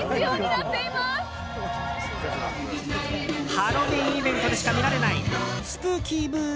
ハロウィーンイベントでしか見られないスプーキー“Ｂｏｏ！”